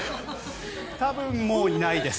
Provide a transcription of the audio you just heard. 多分もういないです。